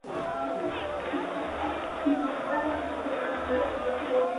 A veces puede tener trazas rojizas si el sangrado es muy fuerte.